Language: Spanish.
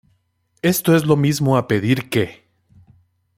Esto es lo mismo a pedir que